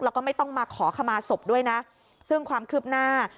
แล้วก็ไม่ต้องมาขอขมาศพด้วยนะซึ่งความคืบหน้า